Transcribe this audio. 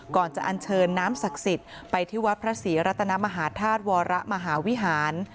ก่อนจะอันเชิญน้ำศักดิ์สิทธิ์ไปที่วัดพระศรีรัตนมหาธาตุวรมหาวิหาร